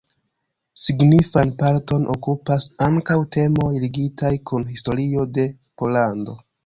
Signifan parton okupas ankaŭ temoj ligitaj kun historio de Pollando.